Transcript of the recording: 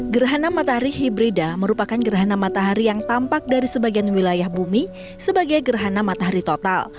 gerhana matahari hibrida merupakan gerhana matahari yang tampak dari sebagian wilayah bumi sebagai gerhana matahari total